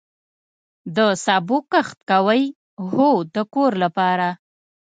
د سبو کښت کوئ؟ هو، د کور لپاره